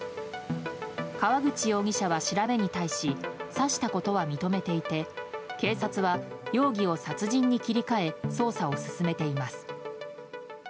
川口容疑者は調べに対し刺したことは認めていて警察は容疑を殺人に切り替え捜査を進めています。